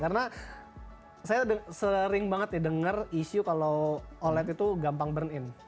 karena saya sering banget dengar isu kalau oled itu gampang burn in